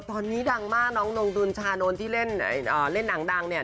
อ๋อตอนนี้ดังมากน้องนท์เราฉาโน้นที่เล่นนางดังเนี่ย